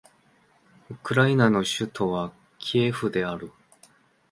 ウクライナの首都はキエフである